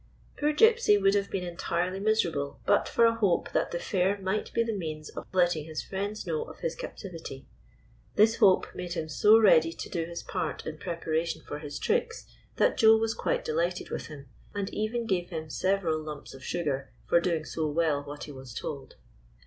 Poor Gypsy would have been entirely miser able but for a hope that the Fair might be the means of letting his friends know of his captiv ity. This hope made him so ready to do his 1 88 A TALK AT MIDNIGHT part in preparation for liis tricks that Joe was quite delighted with him, and even gave him several lumps of sugar for doing so well what he was told.